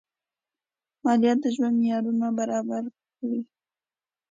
مالیات د ژوند معیارونه برابر کړي.